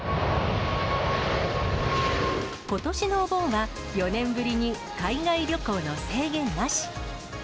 ことしのお盆は、４年ぶりに海外旅行の制限なし。